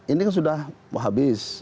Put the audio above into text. ini kan sudah habis